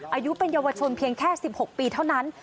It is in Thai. อายุเป็นเยาวชนเพียงแค่๑๖ปีเท่านั้น